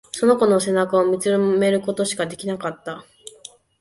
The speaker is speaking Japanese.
その子の背中を見つめることしかできなかった。